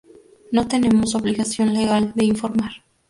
No tenemos obligación legal de informar".